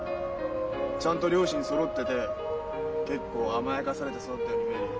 ちゃんと両親そろってて結構甘やかされて育ったように見えるよ。